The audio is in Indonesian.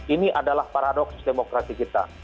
ini adalah paradoks demokrasi kita